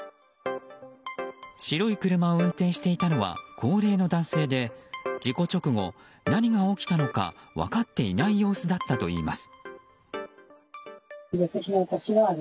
白い車を運転していたのは高齢の男性で事故直後、何が起きたのか分かっていない様子だったといいます。